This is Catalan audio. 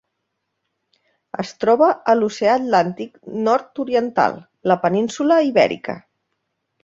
Es troba a l'Oceà Atlàntic nord-oriental: la península Ibèrica.